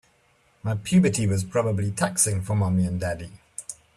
My puberty was probably taxing for mommy and daddy.